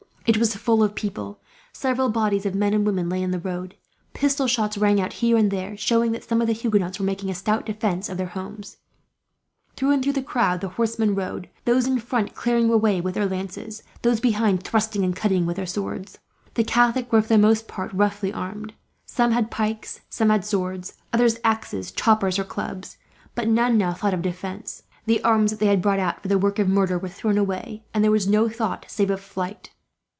It was full of people. Several bodies of men and women lay in the road. Pistol shots rang out here and there, showing that some of the Huguenots were making a stout defence of their homes. Through and through the crowd the horsemen rode, those in front clearing their way with their lances, those behind thrusting and cutting with their swords. The Catholics were, for the most part, roughly armed. Some had pikes, some had swords, others axes, choppers, or clubs; but none now thought of defence. The arms that had been brought out for the work of murder were thrown away, and there was no thought, save of flight.